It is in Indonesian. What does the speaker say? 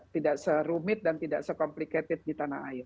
tidak serumit dan tidak se complicated di tanah air